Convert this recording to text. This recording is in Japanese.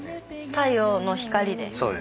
太陽の光で。